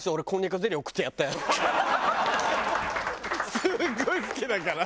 すごい好きだから。